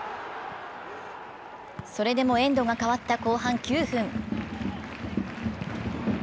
それでもエンドが変わった後半９分。